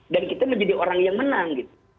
dan kita menjadi orang yang menang